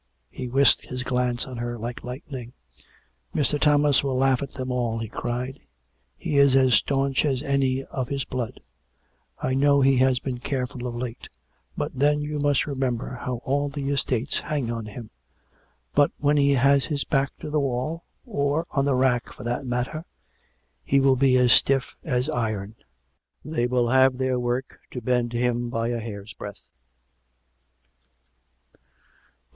He whisked his glance on her like lightning. " Mr. Thomas will laugh at them all," he cried. " He is as staunch as any of his blood. I know he has been careful of late; but, then, you must remember how all the estates hang on him. But when he has his back to the wall — or on the rack for that matter — he will be as stiff as iron. They will have their work to bend him by a hair's breadth."